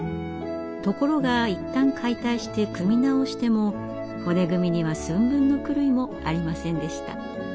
ところがいったん解体して組み直しても骨組みには寸分の狂いもありませんでした。